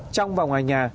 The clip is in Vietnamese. trong và ngoài nhà